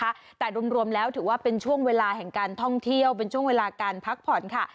นะคะแต่รวมแล้วถือว่าเป็นช่วงเวลาแห่งการท่องเที่ยวเป็นช่วงเวลาการพักผ่อนค่ะ